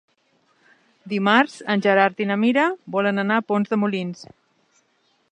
Dimarts en Gerard i na Mira volen anar a Pont de Molins.